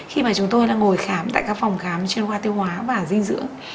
khi mà chúng tôi là ngồi khám tại các phòng khám chuyên hoa tiêu hóa và dinh dưỡng